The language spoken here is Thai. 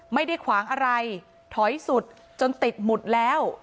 ไม่ได้ขวางอะไรถอยสุดจนติดหมุดแล้ว